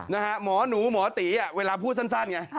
นะฮะหมอหนูหมอตีอ่ะเวลาพูดสั้นไง